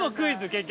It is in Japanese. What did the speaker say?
結局。